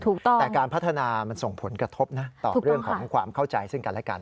แต่การพัฒนามันส่งผลกระทบนะตอบเรื่องของความเข้าใจซึ่งกันและกัน